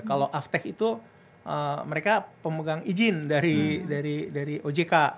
kalau aftech itu mereka pemegang izin dari ojk